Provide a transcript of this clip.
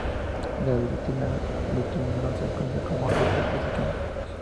La lutita bituminosa es conocida como 'roca que se quema'.